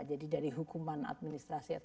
jadi dari hukuman administrasi